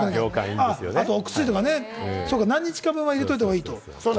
あとお薬とか、何日分か入れておいたほうがいい。